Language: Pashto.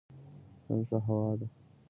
نن ښه هوا ده